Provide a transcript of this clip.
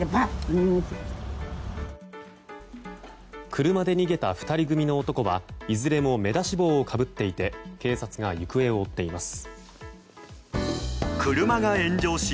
車で逃げた２人組の男はいずれも目出し帽をかぶっていて警察が行方を追っています。